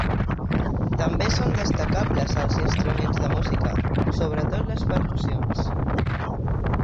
També són destacables els instruments de música, sobretot les percussions.